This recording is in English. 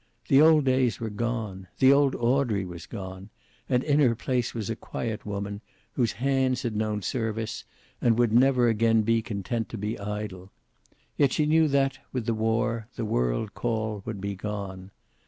The old days were gone. The old Audrey was gone; and in her place was a quiet woman, whose hands had known service and would never again be content to be idle. Yet she knew that, with the war, the world call would be gone.